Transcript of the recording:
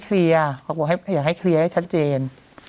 เขาบอกอยากให้เคลียร์ให้ชัดเจน